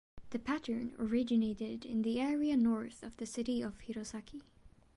The pattern originated in the area north of the city of Hirosaki.